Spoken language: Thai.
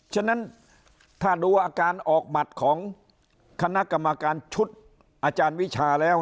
ฉะนั้นถ้าดูอาการออกหมัดของคณะกรรมการชุดอาจารย์วิชาแล้ว